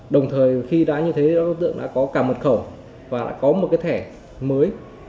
đồng thời khi đã như thế đối tượng đã có cả mật khẩu và lại có một cái thẻ mới